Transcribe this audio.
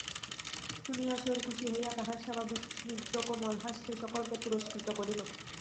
শুনিয়া শৈল খুশি হইয়া তাহার স্বাভাবিক স্নিগ্ধকোমল হাস্যে সকলকে পুরস্কৃত করিল।